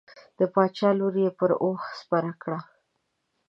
د باچا لور یې پر اوښ سپره کړه.